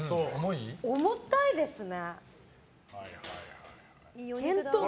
重たいですね。